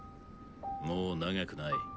もう長くない。